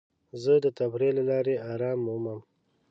زه د تفریح له لارې ارام مومم.